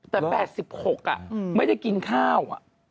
แต่๘๖ไม่ได้กินข้าว